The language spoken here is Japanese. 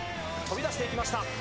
飛び出していきました。